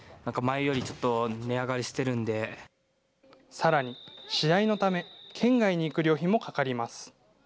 さらに、試合のため、県外に行く旅費もかかります。